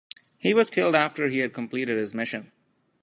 He was killed after he had completed his mission.